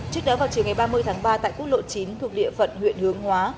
trước đó vào chiều ngày ba mươi tháng ba tại quốc lộ chín thuộc địa phận huyện hướng hóa